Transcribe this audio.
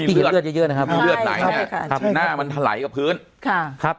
ที่เห็นเลือดเยอะเยอะนะครับใช่ใช่ค่ะหน้ามันถ่ายกับพื้นค่ะครับ